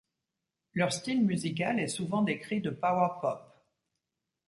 Leur style musical est souvent décrit de power pop.